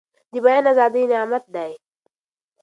د بيان ازادي نعمت دی.